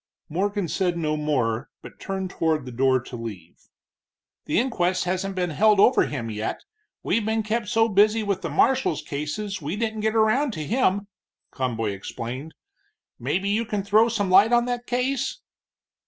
Morgan said no more, but turned toward the door to leave. "The inquest hasn't been held over him yet, we've been kept so busy with the marshal's cases we didn't get around to him," Conboy explained. "Maybe you can throw some light on that case?"